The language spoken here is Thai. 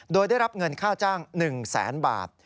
โดยได้รับเงินค่าจ้าง๑แสนบาท